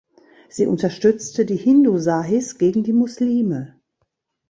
Sie unterstützte die Hindu-Sahis gegen die Muslime.